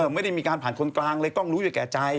ไม่ได้มีการผ่านคนกลางเลยกล้องรู้อยู่แก่ใจ